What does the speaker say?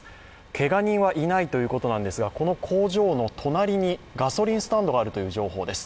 けが人はいないということなんですがこの工場の隣にガソリンスタンドがあるという情報です。